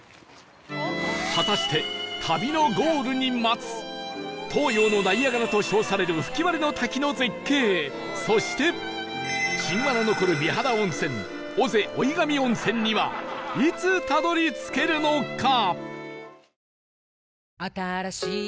果たして東洋のナイアガラと称される吹割の滝の絶景そして神話の残る美肌温泉尾瀬老神温泉にはいつたどり着けるのか？